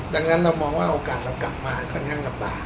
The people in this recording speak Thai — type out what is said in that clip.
ดังนั้นเรามองว่าโอกาสเรากลับมาค่อนข้างลำบาก